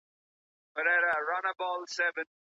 د روغتون پاکوالی څوک کوي؟